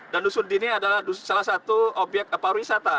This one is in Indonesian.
dan dusun ini adalah salah satu obyek pariwisata